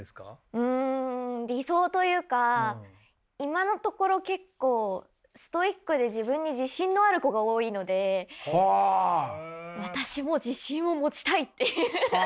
うん理想というか今のところ結構ストイックで自分に自信のある子が多いので私も自信を持ちたいっていう。